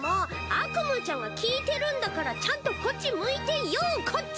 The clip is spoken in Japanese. アクムーちゃんが聞いてるんだからちゃんとこっち向いてよこっち！